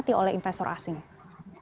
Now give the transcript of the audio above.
kembali ke pasar saham indonesia